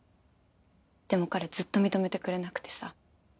でも彼ずっと認めてくれなくてさ。